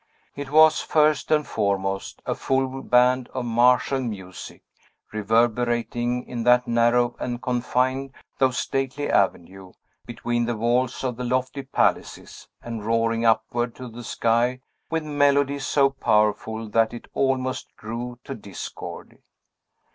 It was, first and foremost, a full band of martial music, reverberating, in that narrow and confined though stately avenue, between the walls of the lofty palaces, and roaring upward to the sky with melody so powerful that it almost grew to discord.